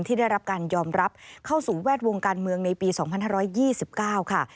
ที่ได้รับการยอมรับเข้าสู่แวดวงการเมืองในปี๒๕๒๙ค่ะ